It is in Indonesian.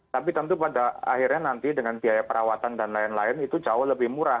tapi tentu pada akhirnya nanti dengan biaya perawatan dan lain lain itu jauh lebih murah